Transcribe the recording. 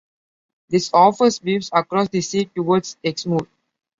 This offers views across the sea towards Exmoor.